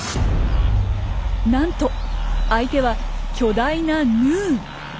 なんと相手は巨大なヌー。